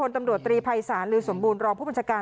ตำรวจตรีภัยศาลลือสมบูรณรองผู้บัญชาการ